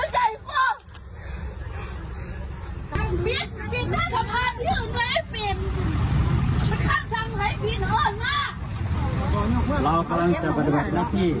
เธอกำลังจะปฏิบัตินักที่